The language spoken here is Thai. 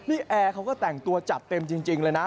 นี่แอร์เขาก็แต่งตัวจัดเต็มจริงเลยนะ